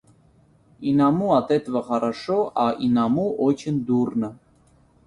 Иному от этого хорошо, а иному очень дурно.